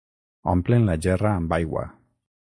Omplen la gerra amb aigua.